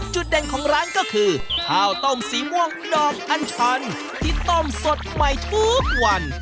เด่นของร้านก็คือข้าวต้มสีม่วงดอกอันชันที่ต้มสดใหม่ทุกวัน